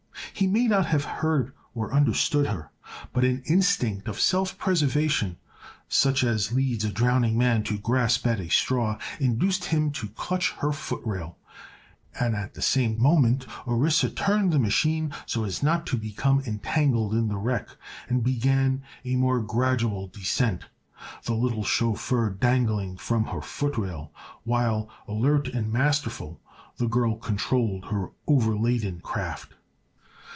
He may not have heard or understood her, but an instinct of self preservation such as leads a drowning man to grasp at a straw induced him to clutch her footrail, and at the same moment Orissa turned the machine, so as not to become entangled in the wreck, and began a more gradual descent, the little chauffeur dangling from her footrail while, alert and masterful, the girl controlled her overladen craft.